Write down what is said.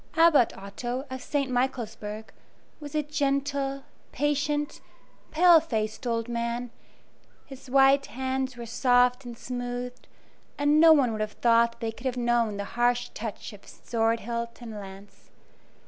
Abbot Otto, of St. Michaelsburg, was a gentle, patient, pale faced old man; his white hands were soft and smooth, and no one would have thought that they could have known the harsh touch of sword hilt and lance.